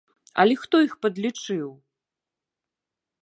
Але хто іх падлічыў?